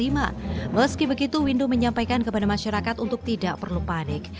meski begitu windu menyampaikan kepada masyarakat untuk tidak perlu panik